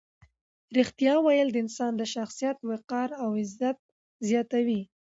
ریښتیا ویل د انسان د شخصیت وقار او عزت زیاتوي.